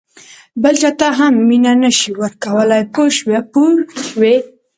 بل چاته هم مینه نه شې ورکولای پوه شوې!.